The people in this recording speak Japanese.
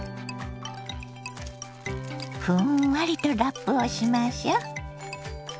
ふんわりとラップをしましょ。